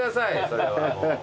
それはもう。